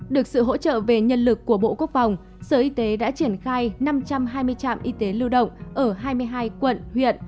được sự hỗ trợ về nhân lực của bộ quốc phòng sở y tế đã triển khai năm trăm hai mươi trạm y tế lưu động ở hai mươi hai quận huyện